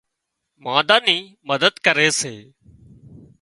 مانۮان نِي مدد ڪري سي